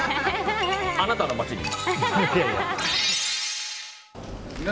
あなたの街にも！